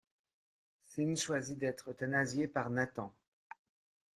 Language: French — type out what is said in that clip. Sean choisit d'être euthanasié par Nathan.